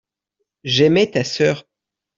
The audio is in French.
j'aimai ta sœur.